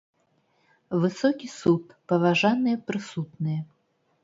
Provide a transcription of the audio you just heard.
Высокі суд, паважаныя прысутныя!